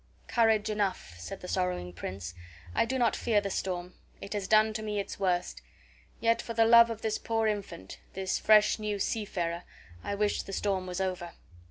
"Courage enough," said the sorrowing prince. "I do not fear the storm; it has done to me its worst; yet for the love of this poor infant, this fresh new seafarer, I wish the storm was over."